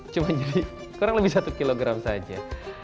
cuma jadi kurang lebih satu kg saja